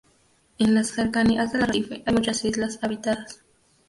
En las cercanías del arrecife hay muchas islas habitadas.